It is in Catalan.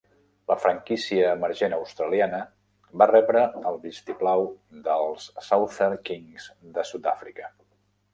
La franquícia emergent australiana va rebre el vistiplau dels Southern Kings de Sud-àfrica.